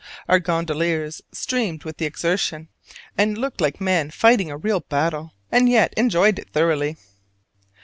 Our gondoliers streamed with the exertion, and looked like men fighting a real battle, and yet enjoyed it thoroughly.